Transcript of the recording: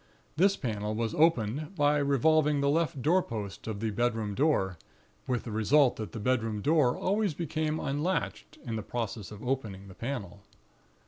This panel was opened, by revolving the left doorpost of the bedroom door, with the result that the bedroom door always became unlatched, in the process of opening the panel.